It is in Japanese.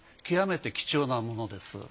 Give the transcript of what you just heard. きわめて貴重なものです。